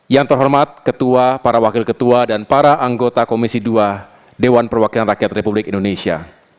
yang terhormat ketua para wakil ketua dan para anggota komisi dua dewan perwakilan rakyat republik indonesia